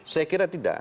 saya kira tidak